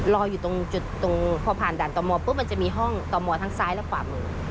รออยู่ตรงจุดตรงพอผ่านด่านต่อมอปุ๊บมันจะมีห้องต่อมอทั้งซ้ายและขวามือ